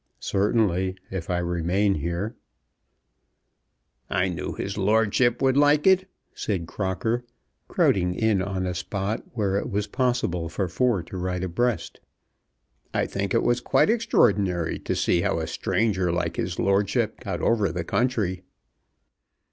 "Certainly, if I remain here." "I knew his lordship would like it," said Crocker, crowding in on a spot where it was possible for four to ride abreast. "I think it was quite extraordinary to see how a stranger like his lordship got over our country."